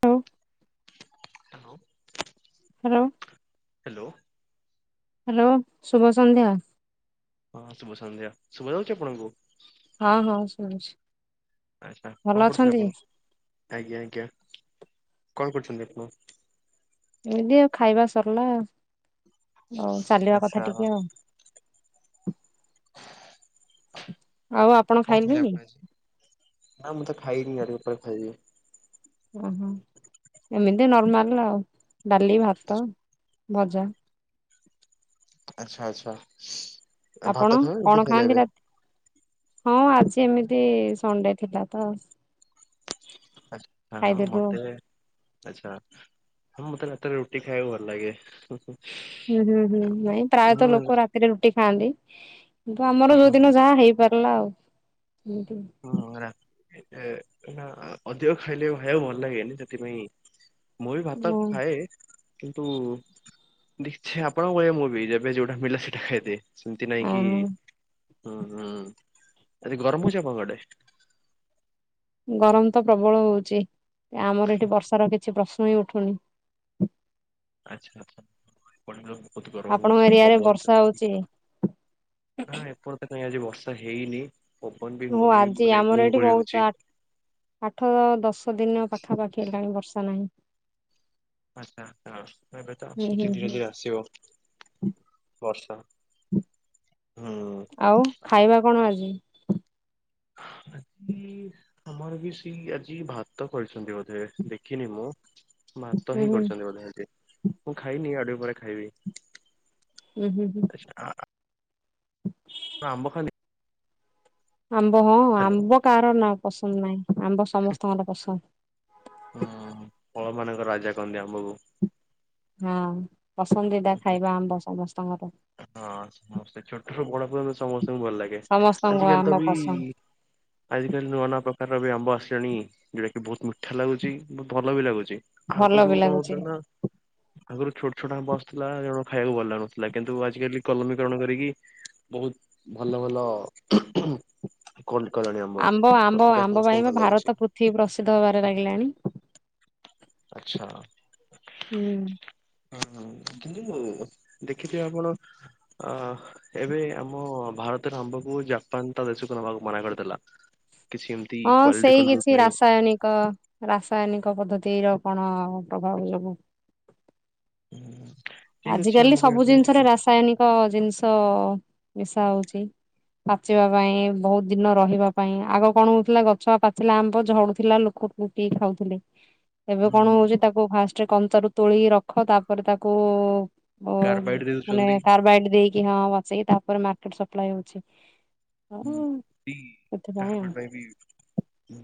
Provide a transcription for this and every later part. ହଉ [unintelligible] hello hello hello hello, ଶୁଭ ସନ୍ଧ୍ୟା। ହଁ, ଶୁଭ ସନ୍ଧ୍ୟା। ଶୁଭା ଯାଉଛି ଆପଣଙ୍କୁ? ହଁ ହଁ, ଶୁଭୁଛି। ଆଛା, ଭଲ କଣ କରୁଥିଲେ ଅଛନ୍ତି ଆପଣ? ଆଜ୍ଞା ଆଜ୍ଞା। କଣ କରୁଛନ୍ତି ଆପଣ? ଏମିତି ଆଉ ଖାଇବା ସରିଲା ଆଉ। ଚାଲିବା ଆଚ୍ଛା କଥା ଟିକେ ଆଉ। ଆଉ ଆପଣ କଣ ଖାଇଲେ ଖାଇଲେଣି ଆପଣ ଆଜି? ନା ମୁଁ ତ ଖାଇନି ଆଉ ଟିକେପରେ ଖାଇବି। ଓହୋ, ଏମିତି ନର୍ମାଲ ଆଉ ଡାଲି, ଭାତ ଭଜା ଆଛା, ଆଛା। ଆପଣ କଣ ଖାଆନ୍ତି ରାତି? ହଁ ଆଜି ଏମିତି ସଣ୍ଡେ ଥିଲା ତ ଆଛା ହଁ ଖାଇଦେଲୁ ଆଉ। ମତେ, ଆଛା ହଁ, ମତେ ରାତିରେ ରୁଟି ଖାଇବାକୁ ଭଲ ଲାଗେ। ହୁଁ -ହୁଁ -ହୁଁ। ନାଇଁ ପ୍ରାୟତଃ ମୁଁ ଲୋକ ରାତିରେ ରୁଟି ଖାଆନ୍ତି କିନ୍ତୁ ଆମର ହଁ ଯୋଉଦିନ ଯାହା ହେଇପାରିଲା ଆଉ। ଏଇଠି [unintelligible] ହଁ ନା ଅଧିକ ଖାଇଲେ, ଖାଇବାକୁ ଭଲ ଲାଗେନି ସେଥିପାଇଁ ମୁଁ ବି ଭାତ ଓ ଖାଏ କିନ୍ତୁ, ଦେଖଛେ ଆପଣଙ୍କ ଭଳିଆ ମୁଁ ବି। ଯେବେ ଯୋଉଟା ମିଳିଲା ସେଟା ଖାଇଦିଏ। ସେମିତି ନାଇଁ ଆ କି, ହୁଁ ହୁଁ, ଆଜି ଗରମ ହେ ଆପଣଙ୍କ ଆଡେ? ଗରମ ତ ପ୍ରବଳ ହଉଛି, ଆମର ଏଠି ବର୍ଷାର କିଛି ପ୍ରଶ୍ନ ହିଁ ଉଠୁନି? ଆଛା [unintelligible] ବହୁ ଗରମ ଆପଣଙ୍କ ହଉଛି ଏରିଆରେ ବର୍ଷା ପବନତ ହଉଛି? [unintelligible] କାଇଁ ଏପଟେ ତ କାହିଁ ଆଜି ବର୍ଷା ତ ହେଇନି। ପବନ ବି ହୋ ହଉନି ଆଜି ମାନେ ଗୁଳୁ ଆମର ଏଇଠି ଗୁଳି ହଉଛି। ବହୁତ ଆଠ ଦଶ ଦିନ ପାଖାପାଖି ହେଲାଣି ବର୍ଷା ନାହିଁ। ଆଛା, ଆଛା ଏବେ ତ ହୁଁ ହୁଁ ଆସୁଛି ଧୀରେ ହୁଁ। ଧୀରେ ଆସିବ ବର୍ଷା। [inaudible] ହୁଁ। ଆଉ ଖାଇବା କଣ ଆଜି? [inaudible] ଆମର ବି ସେଇ ଆଜି ଭାତ କରିଛନ୍ତି ବୋଧେ, ଦେଖିନି ମୁଁ। ଭାତ ହୁଁ ହିଁ ହୁଁ କରିଛନ୍ତି ବୋଧେ ଆଜି, ମୁଁ ଖାଇନି ଆଉ ଟିକେପରେ ଖାଇବି। ହୁଁ ହୁଁ ହୁଁ। ଆ [inaudible] ଆମ୍ବ ଖାଲି ଆମ୍ବ ହଁ ଆମ୍ବ କାହାର ନା ପସନ୍ଦ ନାହିଁ ଆମ୍ବ ସମସ୍ତଙ୍କର ପସନ୍ଦ। ହଁ ଫଳ ମାନଙ୍କର ରାଜା କହନ୍ତି ଆ ହଁ ପସନ୍ଦିଦା ଖାଇବା ଆମ୍ବ ସମସ୍ତ ହଁ ସମସ୍ତେ ଛୋଟ ରୁ ବଡ ପିଲା ସମସ୍ତଙ୍କୁ ଭଲ ଲାଗେ ସମସ୍ତଙ୍କୁ ଆଜିକାଲି ତ ଆମ୍ବ ବି ପସନ୍ଦ ଆଜିକାଲି ନୂଆ ନୂଆ ପ୍ରକାରର ବି ଆମ୍ବ ଆସିଲାଣି ଯଉଟା କିି ବହୁତ ମିଠା ଲାଗୁଛି ବହୁତ ଭଲ ବି ଲାଗୁଛି ଭଲ ଆଗରୁ ବି କଣ ଲାଗୁଛି। କରୁଥିଲା ନା ଆଗରୁ ଛୋଟ ଛୋଟ ଆମ୍ବ ଆସିଥିଲା ଜମା ଖାଇବାକୁ ଭଲ ଲାଗୁଥିଲା। କିନ୍ତୁ ଆଜିକାଲି କଲମୀକରଣି କରିକି ବହୁତ ଭଲ ଭଲ କଲ କଲାଣି ଆମ୍ବ ତ ଆମ୍ବ ସେଇଟା ଆମ୍ବ ସମସ୍ତଙ୍କୁ ପାଇଁ ବା ଭଲ ଲାଗୁଛି ଭାରତ ପୃଥିବୀ ପ୍ରସିଦ୍ଧ ହବାରେ ଲାଗିଲାଣି। ଆଛା ହୁଁ ହ କିନ୍ତୁ ଦେଖିଥିବେ ଆପଣ ଅ ଏବେ ଆମ ଭାରତର ଆମ୍ବକୁ ଜାପାନନ୍ତ ଦେଶ [unintelligible] ମନ କରଦେଲା। ହଁ ସେଇ କିଛି ରାସାୟନିକ ରାସାୟନିକ ପଦ୍ଧତିର କଣ ପ୍ରଭାବ ଯୋଗୁଁ। ଠିକ ଆଜି ଅଛି କାଲି ଆମକୁ ସବୁ ଏହାକୁ ଜିନିଷରେ ରାସାୟନିକ ଜିନିଷ ମିଶା ହଉଚି। ପାଚିବା ପାଇଁ ବହୁତ ଦିନ ରହିବା ପାଇଁ ଆଗ କଣ ହଉଥିଲା ଗଛ ପାଚିଲା ଆମ୍ବ ଝଡୁଥିଲା ଲୋକ ଗୋଟେଇକି ଖାଉଥିଲେ। ଏବେ କଣ ହଉଛି ତାକୁ ଫାଷ୍ଟରେ କଞ୍ଚାରୁ ତୋଳିି ରଖ ତାପରେ ତାକୁ ଓ କାର୍ବାଇଡ ମାନେ ଦେଉଛନ୍ତି କାର୍ବାଇଡ ଦେଇକି ହଁ ପଚେଇକି ତାପରେ ମାର୍କେଟ ସପ୍ଲାଏ ହଉଛି। ଆଉ ହଁ କି ସେଥିପାଇଁ ଆଉ କାରବାଇଟି ପାଇଁ ବି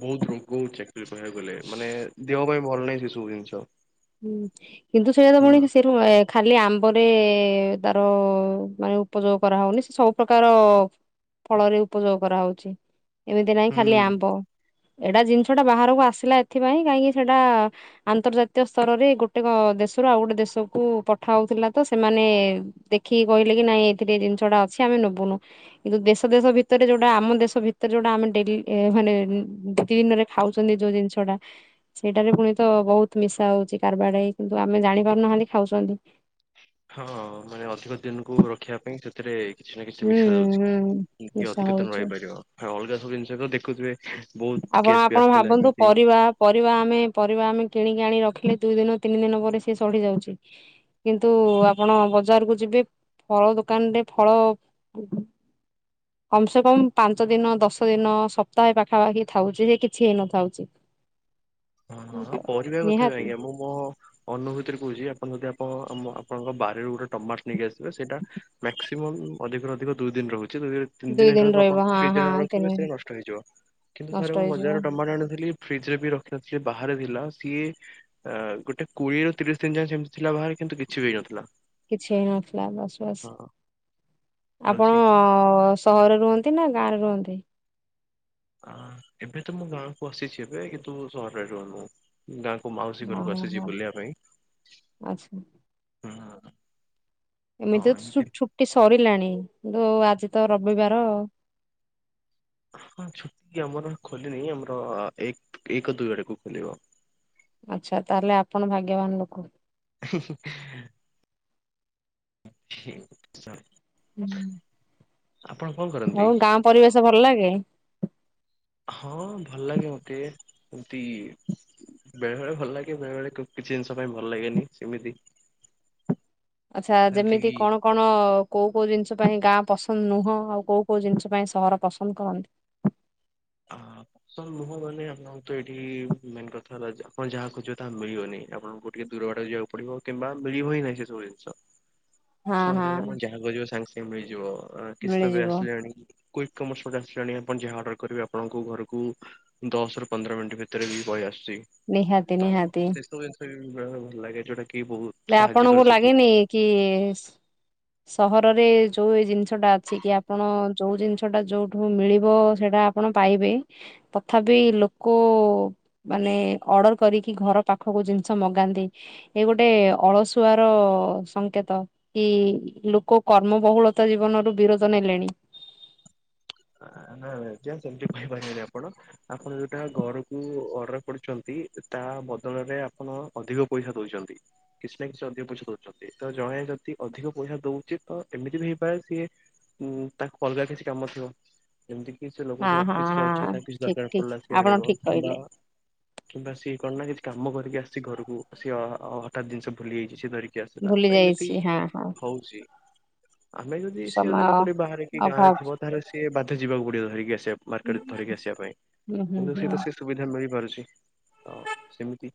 ବହୁତ ରୋଗ ହଉଛି। କହିବାକୁଗଲେ ମାନେ ଦେହ ପାଇଁ ଭଲ ନାହିଁ ସେ ସବୁ ଜିନିଷ। ହୁଁ କିନ୍ତୁ ସେଇଟା ତ ହୁଁ। ପୁଣି ସେଠୁ ଖାଲି ଆମ୍ବରେ ତାର ମାନେ ଉପଯୋଗ କରାହଉନି ସେ ସବୁ ପ୍ରକାର ଫଳରେ ଉପଯୋଗ କରାହଉଛି ଏମିତି ନାହିଁ ଖାଲି ହୁଁ ଆମ୍ବ। ଏଇଟା ଜିନିଷ ଟା ବାହାରକୁ ଆସିଲା ଏଥିପାଇଁ କାହିଁକି ସେଇଟା ଆନ୍ତର୍ଜାତି ଦ ସ୍ତରରେ ଗୋଟେ ଦେଶରୁ ଆଉ ଗୋଟେ ଦେଶକୁ ପଠା ହଉଥିଲା ତ ସେମାନେ ଦେଖିକି କହିଲେ ନାଇଁ ଏଇଥିରେ ଜିନିଷଟା ଅଛି ଆମେ ନେବୁନୁ କିନ୍ତୁ ଦେଶ ଦେଶ ଭିତରେ ଯୋଉଟା ଆମ ଦେଶ ଭିତରେ ଯୋଉଟା ଆମେ ଡେଲି ମାନେ ଦି ଦିନରେ ଖାଉଛନ୍ତି ଯୋଉ ଜିନିଷଟା ସେଇଟାରେ ପୁଣି ତ ବହୁତ ମିଶା ହଉଛି କାରବାଡେ ହେଇ କିନ୍ତୁ ଆମେ ଜାଣିପାରୁନାହାନ୍ତି ଖାଉଛନ୍ତି। କଁ ସେଥିରେ କିଛି ନା କିଛି ହୁଁ ମିଶା ହୁଁ ଯାଉଛି ମିଶା ଅଧିକଦିନ ହଉଛି। ରହିପାରିବ। ହଁ ଅଲଗା ସବୁ ଜିନଷ ତ ଦେଖୁଥିବେ। ବହୁତ ଆପଣ କେସ୍ ବି ଆପଣ ଆସିଥିଲା ଭାବନ୍ତୁ ଏମିତି। ପରିବା ପରିବା ଆମେ ପରିବା ଆମେ କିଣିକିଣି ରଖ ଲେ ଦୁଇ ଦିନ ତିନି ଦିନ ପରେ ସିଏ ସଢି ଯାଉଛି କିନ୍ତୁ ଆପଣ ବଜାରକୁ ଯିବେ ଫଳ ଦୋକାନ ରେ ଫଳ କମ୍ ସେ କମ୍ ପାଞ୍ଚ ଦିନ ଦଶ ଦିନ ସପ୍ତାହ ପାଖେ ଖାବା କିିଇ ଥାଉଛି ଯେ କିଛି ହେଇନଥାଉଛି। ହଁ ହଁ ପଢ଼ିବା କଥା ବି ନିହାତି ଆଜ୍ଞା ମୁଁ ମୋ ଅନୁଭୂତିରେ କହୁଛି ଆପଣ ଯଦି ପଣ ଆମ ଆପଣଙ୍କ ବାରିରୁ ଗୋଟେ ଟମାଟୋ ନେଇକି ଆସିବେ ସେଇଟା ମ୍ୟାକ୍ସିମମ୍ ଅଧିକରୁ ଅଧିକ ଦୁଇ ଦିନ ରହୁଛି। ତିନ ଦିନ ଦୁଇ ହେଲା ବେଳକୁ ରହିବ ଆପଣ ହଁ ଫ୍ରିଜରେ ନ ହଁ ତିନି ରଖିବେ ଦିନ ସେ ନଷ୍ଟ ହେଇଯିବ କିନ୍ତୁ ନଷ୍ଟ ଥରେ ମୁଁ ହେଇଯିବ ବଜାରରେ ଟମାଟୋ ଆଣିଥିଲି ଫ୍ରିଜରେ ବି ରଖ। ସିଏ ବାହାରେ ଥିଲା ସିଏ ଅ ଗୋଟେ କୋଡିଏରୁ ତିରିଶ ଦିନ ଯାଏଁ ସେମିତି ଥିଲା ବାହାରେ କିନ୍ତୁ କିଛି ବି ହେଇନଥିଲା। କିଛି ହେଇନଥିଲା ବାସ୍ ବାସ୍। ହଁ ଆପଣ ଚାଲୁଛି ସହରରେ ରୁହନ୍ତି ନା ଗାଁରେ ରୁହନ୍ତି? ହଁ ଏବେ ତ ମୁଁ ଗାଁକୁ ଆସିଛି ଏବେ କିନ୍ତୁ ସହରରେ ରହୁନୁ। ଗାଁକୁ ମାଉସୀ ଘରକୁ ଓହୋ ଆସିଛି ବୁଲିବା ପାଇଁ ଆଚ୍ଛା ହୁଁ। ଏମିତି ରେ ଛୁଟି ସରିଲାଣି କିନ୍ତୁ ଆଜି ତ ରବିବାର। ହଁ ଛୁଟି ଆମର ଖୋଲିନି ଆମର ଏକ ଏକ ଦୁଇ ଆଡକୁ ଖୋଲିବ। ଆଚ୍ଛା ତାହେଲେ ଆପଣ ଭାଗ୍ୟବାନ ଲୋକ। ହୁଁ ହୁଁ ହେ ସ [inaudible] ହୁଁ। କଣ କରନ୍ତି? ହଉ ଗାଁ ପରିବେଶ ଭଲ ଲାଗେ? ହଁ ଭଲ ଲାଗେ ମତେ ଏମତି ବେଳେ ବେଳେ ଭଲ ଲାଗେ ବେଳେ ବଳେ କିଛି ଜିନିଷ ପାଇଁ ଭଲ ଲାଗେନି ସେମିତି ଆଚ୍ଛା ଏମିତି ଯେମିତି କିି କଣ କଣ କୋଉ କୋଉ ଜିନିଷ ପାଇଁ ଗାଁ ପସନ୍ଦ ନୁହଁ ଆଉ କୋଉ କୋଉ ଜିନିଷ ପାଇଁ ସହର ପସନ୍ଦ କରନ୍ତି? ହଁ। ପସନ୍ଦ ନୁହଁ ମାନେ ଆପଣଙ୍କ ତ ଏଠି ମେନ୍ କଥା ହେଲା ଆପଣ ଯାହା ଖୋଜିବ ତାହା ମିଳିବନି ଆପଣଙ୍କୁ ଟିକେ ଦୂର ବାଟ ଟକୁ ଯିବାକୁ ପଡିବ କିମ୍ବା ମିଳିବ ହି ନାହିଁ ସେ ସବୁ ଜିନିଷ। ହଁ ହଁ ସହରେ ଆପଣ ଯାହା ଖୋଯିବେ ସାଙ୍ଗେ ସାଙ୍ଗେ ମିଳିଯିବ କିଛି ତ ବି ମିଳିଯିବ ଆସିଲାଣି। କୁଇକ୍ କମର୍ସ ଗୋଟେ ଆସିଲାଣି ଆପଣ ଯାହା ଅର୍ଡ଼ର କରିବେ ଆପଣଙ୍କୁ ଘରକୁ ଦଶ ରୁ ପନ୍ଦର ମିନିଟ୍ ଭିତରେ ପଳେଇ ଆସୁ ଚି ନିହାତି ତ ନିହାତି ସେସବୁ ଜିନିଷ ବି ବେଳେ ବେଳେ ଭଲ ଲାଗେ କି ବହୁତ ହେଲେ ଆପଣଙ୍କୁ ଲାଗେନି କି ହ [unintelligible] ସହରରେ ଯୋଉ ଏ ଜିନିଷଟା ଅଛି କି ଆପଣ ଯୋଉ ଜିନିଷ ଟା ଯୋଉଠୁ ମିଳିବ ସେଇଟା ଆପଣ ପାଇବେ ତଥାପି ଲୋକ ମାନେ ଅର୍ଡର କରିକି ଘର ପାଖୁକୁ ଜିନିଷ ମଗାନ୍ତି ଏଇ ଗୋ ଗୋଟେ ଅଳସୁଆର ସଂଙ୍କେତ କି ଲୋକ କର୍ମ ବହୁଳତା ଜୀବନ ବିରୋଧ ନେଲେଣି। ଆଁ ଆଁ ନା ନା ଆଜ୍ଞା ସେମିତି କିଛି କହିବେନି ଆପଣ ଆପଣ ଯୋଉଟା ଘରକୁ ଅର୍ଡର କରୁଚନ୍ତି ତାହା ତା ବଦଳରେ ଆପଣ ଅଧିକ ପଇସା ଦଉଚନ୍ତି କିଛି ନା କିଛି ଅଧିକ ପଇସା ଦଉଚନ୍ତି ତ ଜଣେ ଯଦି ଅ ଧିକ ପଇସା ଦଉଚି ତ ଏମିତି ବି ହେଇପାରେ ସିଏ ଉ ତାକୁ ଅଲଗା କିଛି କାମ ଥି ଏମିତି କିି ସେ ଲୋକ ହଁ ଟିକେ ହଁ ଅଫିସ ରେ ଅଛି ହଁ ତା କିଛି ଠିକ ଦରକାର ଠିକ ପଡିଲା ସିଏ ଆପଣ ଆଣିବ ଠିକ କିମ୍ବା କହିଲେ କିମ୍ବା ସିଏ କଣ ନା କିଛି କାମ କରିକି ଆସିଚି ଘରକୁ ସିଏ ହ ହଠାତ୍ ଜିନିଷ ଭୁଲି ଯାଇଚି। କିଛି ଧରିକି ଆସିଲା ଭୁଲି ତ ଏମିତି ଯାଇଛି ହଁ ହଁ ହଉଚି। ଆମେ ଯଦି ସିଏ ସମୟ ଯଦି ଲୋକଟି ବାହାରି କି ଗାଁରେ ଅଭାବ ଥିବ ତାହାଲେ ସିଏ ବାଧ୍ୟ ଯିବାକୁ ପଡିବ ଧରିକି ଆସି ଯେ ମାର୍କେଟ ଧରିକି ଆସିବା ପାଇଁ ହୁଁ ହୁଁ କିନ୍ତୁ ସେ ତ ସେ ସୁବିଧା ମିଳିପାରୁନି। ତ ସେମିତି।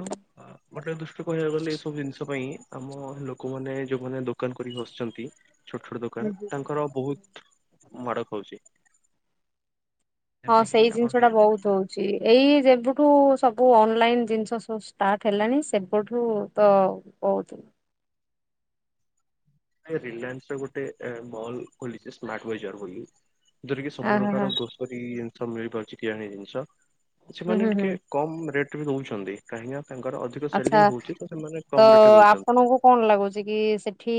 ଟୁ ଆ ମତେ ଦୃଷ୍ଟି କରିବାକୁ ଗଲେ ଏ ସବୁ ଜିନିଷ ପାଇଁ ଆମ ଲୋକମାନେ ଯୋଉମାନେ ଦୋକାନ କରିକି ବସଚନ୍ତି ଛୋଟ ଛୋଟ ଦୋକାନ ହୁଁ ତାଙ୍କର ବହୁତ ମାଡ ଖାଉଚି। ହଁ ସେଇ ଜିନିଷ ଟା ବହୁତ ହଉଚି ଏଇ ଯେବୁଠୁ ସବୁ ଅନଲାଇନ ଜିନିଷ ସବୁ ଷ୍ଟାର୍ଟ ହେଲାଣି ସେବଠୁ ତ ବହୁତୁ ଏ ରିଲାନ୍ସର ଗୋଟେ ଆ ମଲ୍ ଖୋଲିଚି ସ୍ମାଟୱେଜର ବୋଲି। ଯଉଥିରେ କିି ଆ ସବୁ ହା ହା ପ୍ରକାର ଗ୍ରୋସରୀ ଜିନିଷ ମିଳିପାରୁଚି କିରାଣୀ ଜିନିଷ। ହୁଁ ସେମାନେ ହୁଁ ହୁଁ ଟିକେ କମ ରେଟରେ ଦଉଛନ୍ତି କାହିଁକି ନା ତାଙ୍କର ଅଧିକ ସେଲିଂ ଆଛା ହଉଛି ତ ସେମାନେ ତ କମ ରେଟରେ ଦଉଛନ୍ତି ଆପଣଙ୍କୁ କଣ ଲାଗୁଛି କି ଏଠି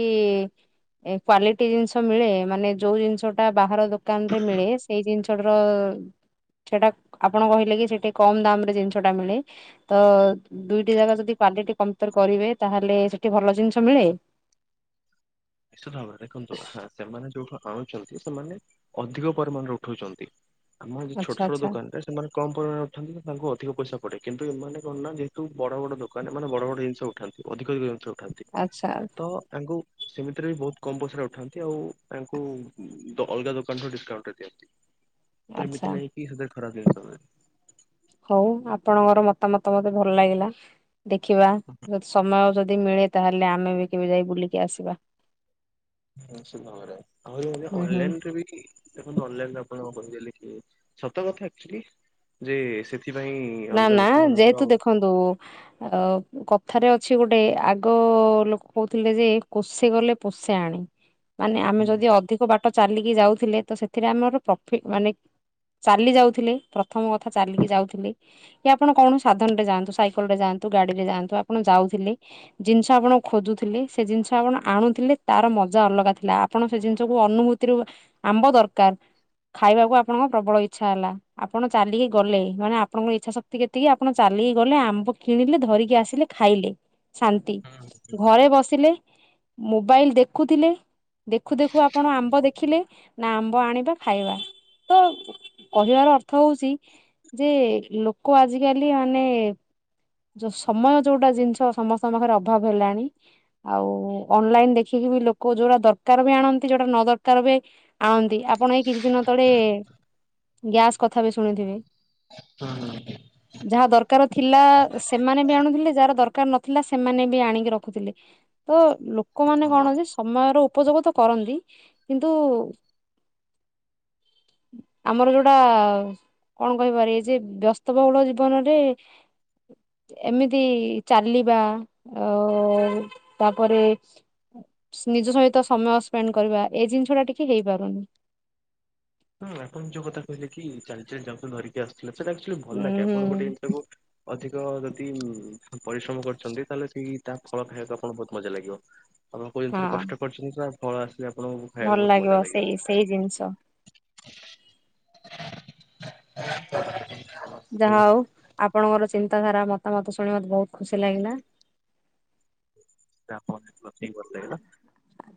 କ୍ଵାଲିଟି ଜିନିଷ ମିଳେ ମାନେ ଯୋଉ ଜିନିଷଟା ବାହାର ଦୋକାନ ରେ ମିଳେ ସେଇ ଜିନିଷଟାର ସେଟା ଆପଣ କହିଲେ କି ସେଠି କମ ଦାମ ରେ ଜିନିଷ ଟା ମିଳେ ତ ସେ ଜାଗା ରେ ଯଦି କ୍ଵାଲିଟି କମ୍ପୟେର କରିବେ ତାହେଲେ ସେଠି ଭଲ ଜିନିଷ ମିଳେ ନିଶ୍ଚିତ ଭାବରେ ଦେଖନ୍ତୁ ହାଁ ସେମାନେ ଯୋଉ ଆ ଆଣୁଚନ୍ତି ସେମାନେ ଅଧିକ ପରିମାଣରେ ଉଠଉଛନ୍ତି ଆମ ଏ ଛୋଟ ଆଚ୍ଛା ଛୋଟ ଆଚ୍ଛା ଦୋକାନରେ କମ୍ ପରିମାଣରେ ଉଠାନ୍ତି ତ ତାଙ୍କୁ ଅଧିକ ପଇସା ପଡେ କିନ୍ତୁ ଏମାନେ କଣ ନା ଯେହେତୁ ବଡ଼ ବଡ଼ ଦୋକାନ ଏମାନେ ବଡ଼ ବଡ଼ ଜିନିଷ ଉଠାନ୍ତି ଅଧିକ ବି ଜିନିଷ ଉଠାନ୍ତି ଆଚ୍ଛା ତ ୟାଙ୍କୁ ସେମିତିରେ ବି ବହୁତ କମ ପଇସାରେ ଉଠାନ୍ତି ଆଉ ଆଙ୍କୁ ଦ ଅଲଗା ଦୋକାନ ରୁ ଡିସକାଉଣ୍ଟରେ ଦିଅନ୍ତି ତ ଆଚ୍ଛା ଏମିତି ନାଇଁ କି ସେଥିରେ ଖରାପ ଜିନିଷ ମିଳେ। ହଉ ଆପଣଙ୍କର ମତାମତ ମତେ ଭଲ ଲାଗିଲା ଦେଖିବା ଯଦି ସମୟ ଯଦି ମିଳେ ତାହେଲେ ଆମେ ବି କେବେ ଯାଇ ବୁଲିକି ଆସିବା। ନିଶ୍ଚିତ ଭାବରେ ଆହୁରି ମଧ୍ୟ ହୁଁ ହୁଁ ଅନଲାଇନ ରେ ବି ଦେଖନ୍ତୁ ଅନଲାଇନରେ ଆପଣ କଣ କହିବେ ଏ ସତ କଥା ଆଚୁଲି ଯେ ସେଥିପାଇଁ ନା ଅଲଗା ନା ଲୋକମାନଙ୍କର ଯେହେତୁ ଆଉ ଦେଖନ୍ତୁ ଅ କଥାରେ କିଛି ଗୋଟେ ଆଗ ଲୋକ କହୁଥିଲେ ଯେ କୋଷେ ଗଲେ କୋଷେ ଆଣେ ମାନେ ହୁଁ ଆମେ ଯଦି ଅଧିକ ବାଟ ଚାଲିକି ଯାଉଥିଲେ ତ ସେଥିରେ ଆମର ପ୍ରଫିଟ ମାନେ ଚାଲି ଯାଉଥିଲି ପ୍ରଥମ କଥା ଚାଲିକି ଯାଉଥିଲି କି ଆପଣ କଣ ସାଧନ ରେ ଯାଆନ୍ତୁ ସାଇକେଲ ରେ ଯାଆନ୍ତୁ ଗାଡି ରେ ଯାଆନ୍ତୁ ଆପଣ ଯାଉଥିଲେ ଜିନିଷ ଆପଣ ଖୋଜୁଥିଲେ ସେ ଜିନିଷ ଆପଣ ଆଣୁଥିଲେ ତାର ମଜା ଅଲଗା ଥିଲା ଆପଣ ସେ ଜିନିଷକୁ ଅନୁଭୂତିରୁ ଆମ୍ବ ଦରକାର ଖାଇବାକୁ ଆପଣଙ୍କ ପ୍ରବଳ ଇଚ୍ଛା ହେଲା ଆପଣ ଚାଲିକି ଗଲେ ମାନେ ଆ ଆପଣଙ୍କ ଇଚ୍ଛା ଶକ୍ତି କେତିକି ଆପଣ ଚାଲିକି ଗଲେ ଆମ୍ବ କିଣିଲେ ଧରିକି କି ଆସିଲେ ଖାଇଲେ ଶାନ୍ତି ହୁଁ। ହୁଁ ହୁଁ। ଘରେ ବସିଲେ ମୋବାଇଲି ଦେଖୁଥିଲେ ଦେଖୁ ଦେଖୁ ଆପଣ ଆମ୍ବ ଦେଖ ଦେଖିଲେ ନା ଆମ୍ବ ଆଣିବ ଖାଇବା ତ କହିବାର ଅର୍ଥ ହଉଚି ଯେ ଲୋକ ଆଜିକାଲି ମାନେ ଯୋଉ ସମୟ ଯୋଉଟା ଜିନିଷ ସମସ୍ତଙ୍କ ପାଖରେ ଅଭାବ ହେଲାଣି ଆଉ ଅନଲାଇନ ଦେଖି ଇମି ଲୋକ ଯୋଉଟା ଦରକାର ବି ଆଣନ୍ତି ଯୋଉଟା ନ ଦରକାର ବି ଆଣନ୍ତି ଆପଣ ଏଇ କିଛି ଦିନ ତଳେ ଗ୍ୟାସ୍ କଥା ବି ଶୁଣିଥିବେ ଯାହା ହୁଁ ଦରକାର ଥିଲା ସେମାନେ ବେ ଆଣୁଥିଲେ ଯାହାର ଦରକାର ନଥିଲା ସେମାନେ ବି ଆଣିକି ରଖୁଥିଲେ ତ ଲୋ ଲୋକମାନେ ହଁ କଣ କି ସମୟର ଉପଯୋଗ ତ କରନ୍ତି କିନ୍ତୁ ଆମର ଯୋଉଟା କଣ କହିପାରି ଯେ ବ୍ୟସ୍ତବହୁଳ ଜୀବନରେ ଏମିତି ଚାଲିବା ଓ-ଓ ତାପରେ ନିଜ ସହିତ ସମୟ ସ୍ପେଣ୍ଡ କରିବା ଏଇ ଜିନିଷ ଟା ଟିକେ ହେଇପାରୁନି। ହଁ ଯୋଉ କଥା କହିଲେ କି ଚାଲିଚାଲି ଯାଉଛନ୍ତି ଧରିକି ଆସ [unintelligible] ଆକଚୁଲି ଭଲ ଉୁଁ ଲାଗେ ହୁଁ ଆପଣ ଗୋଟେ ଏମିତି ତାକୁ ଅଧିକ ଯଦି ପରିଶ୍ରମ କରିଛନ୍ତି ତାହେଲେ ସେଇ ତା ଫଳ ଖାଇବାକୁ ଆପଣ ବହୁତ ମଜା ଲାଗିବ। ଆପଣ କଉ ଜିନିଷରେ ହଁ କଷ୍ଟ କରିଛନ୍ତି ବା ଫଳ ଆସ ଭଲ ଲାଗିବ ସେଇ ସେଇ ଜିନିଷ ଯାହା ହଉ ଆପଣଙ୍କର ଚିନ୍ତାଧାରା ମତାମତ ଶୁଣି ମତେ ବହୁତ ଖୁସି ଲାଗିଲା। ଯାହା ହଉ ମୋତେ ବି ଭଲ ଲାଗିଲା।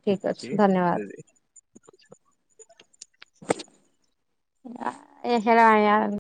ଠିକ ଅଛି ରହିଲି ନମସ୍କାର। [unintelligible]